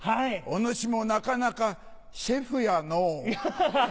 お主もなかなかシェフやのぅ。